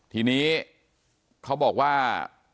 ทีนี้เขาบอกว่า